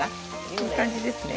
いい感じですね。